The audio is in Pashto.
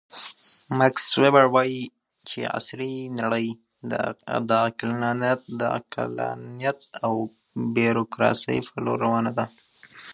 ماکس ویبر وایي چې عصري نړۍ د عقلانیت او بیروکراسۍ په لور روانه ده.